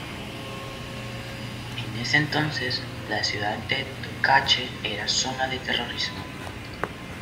En ese entonces la ciudad de Tocache era zona de terrorismo.